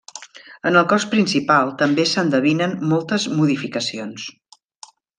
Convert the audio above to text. En el cos principal també s'endevinen moltes modificacions.